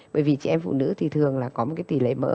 bởi vì chị em phụ nữ thì thường là có một cái tỷ lệ mỡ